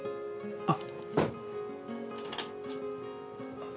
あっ。